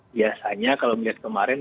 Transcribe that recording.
biasanya kalau dilihat kemarin